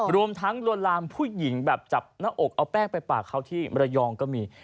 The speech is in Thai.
รวมทั้งลวนลามผู้หญิงแบบจับหน้าอกเอาแป้งไปปากเขาที่มรยองก็มี